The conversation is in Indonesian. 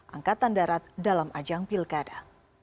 angkatan darat dalam ajang pilkada